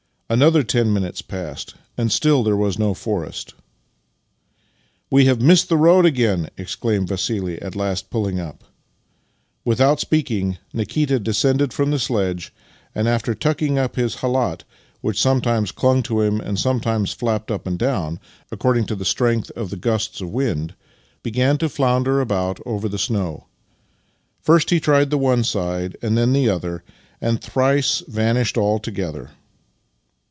Another ten minutes passed, and still there was no forest. " We have missed the road again! " exclaimed Vassili, at last pulling up. Without speaking, Nikita descended from the sledge, and, after tucking up his khalat, which sometimes clung to him and sometimes flapped up and down, according to the strength of the gusts of wind, began to flounder about over the snow. First he tried the one side, and then the other, and thrice vanished altogether.